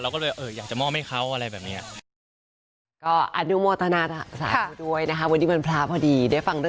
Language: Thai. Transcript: ก็เลยอยากจะมอบให้เขาอะไรแบบนี้